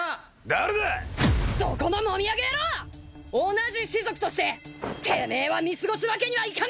同じ士族としててめえは見過ごすわけにはいかねえ！